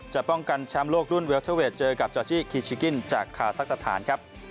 จะป้องกันชามโลกรุ่นเวลเตอร์เวทเจอกับจอจิคีชิกิ้นจากคาซักสถาน